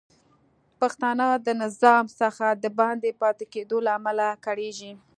پښتانه د نظام څخه د باندې پاتې کیدو له امله کړیږي